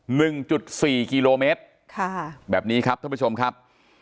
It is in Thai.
หนึ่งจุดสี่กิโลเมตรค่ะแบบนี้ครับท่านผู้ชมครับ